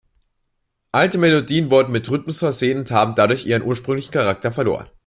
Alte Melodien wurden mit Rhythmus versehen und haben dadurch ihren ursprünglichen Charakter verloren.